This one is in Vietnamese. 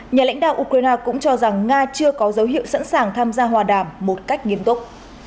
nhà lãnh đạo ukraine cũng cho rằng nga chưa có dấu hiệu sẵn sàng tham gia hòa đàm một cách nghiêm túc